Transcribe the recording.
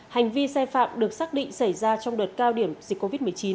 hành vi sai phạm được xác định xảy ra trong đợt cao điểm dịch covid một mươi chín